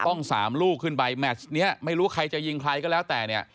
ต้องสามลูกขึ้นไปแมชเนี้ยไม่รู้ใครจะยิงใครก็แล้วแต่เนี่ย